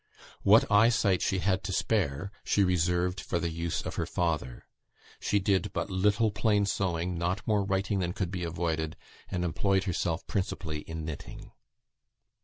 What eyesight she had to spare she reserved for the use of her father. She did but little plain sewing; not more writing than could be avoided, and employed herself principally in knitting.